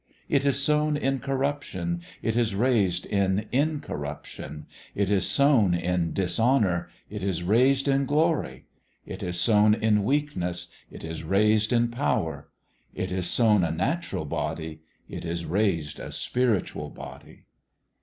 ... It is sown in corruption ; it is raised in incorruption : it is sown in dishonour ; it is raised in glory : it is sown in weakness / it, is raised in power : it is sown a natural body ; it is raised a spiritual body.